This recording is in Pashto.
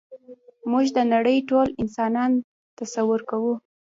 موږ د نړۍ ټول انسانان تصور کوو.